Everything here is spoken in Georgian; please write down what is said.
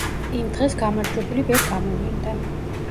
იმ დღეს გამარჯვებული ვერ გამოვლინდა.